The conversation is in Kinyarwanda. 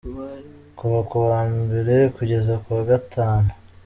Kuva ku wa mbere kugeza ku wa gatanu.